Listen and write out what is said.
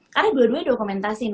karena dua duanya dokumentasi